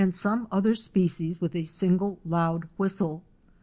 275 some other species with a single loud whistle.